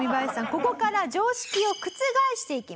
ここから常識を覆していきます。